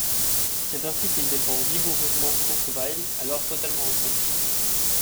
C’est ainsi qu’il défend vigoureusement Kurt Weill, alors totalement incompris.